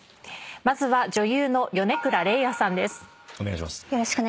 まずは女優の米倉れいあさんです。